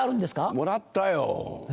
もらったよ。え？